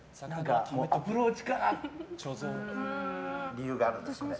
理由があるんですよね。